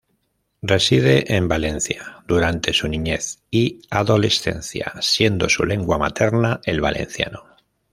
Reside en Valencia durante su niñez y adolescencia, siendo su lengua materna el valenciano.